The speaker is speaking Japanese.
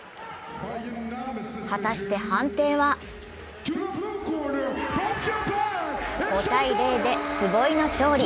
果たして判定は５−０で坪井の勝利。